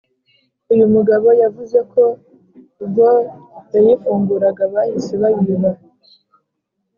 uyu mugabo yavuze ko ubwo yayifunguraga bahise bayiba